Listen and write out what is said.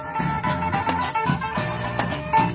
สวัสดีครับทุกคน